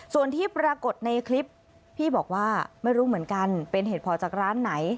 ส่วนที่ปรากฏในคลิปพี่บอกว่าไม่รู้เหมือนกันเป็นเหตุพอจากร้านไหน